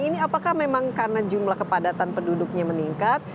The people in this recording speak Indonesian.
ini apakah memang karena jumlah kepadatan penduduknya meningkat